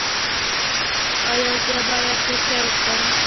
ایا زه باید تور چای وڅښم؟